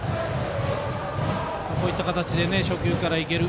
こういった形で初球からいける。